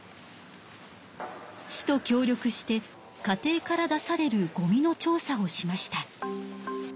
市と協力して家庭から出されるゴミの調査をしました。